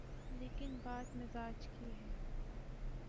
لیکن بات مزاج کی ہے۔